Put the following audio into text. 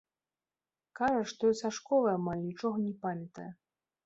Кажа, што і са школы амаль нічога не памятае.